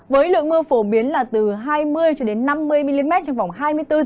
với lượng mưa phổ biến là từ hai mươi năm mươi mm trong vòng hai mươi bốn h